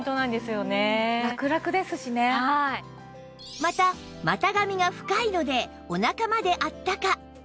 また股上が深いのでおなかまであったか